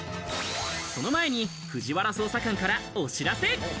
その前に藤原捜査官からお知らせ。